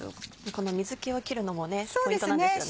この水気を切るのもポイントなんですよね。